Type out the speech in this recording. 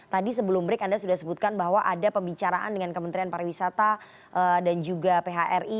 tadi sebelum break anda sudah sebutkan bahwa ada pembicaraan dengan kementerian pariwisata dan juga phri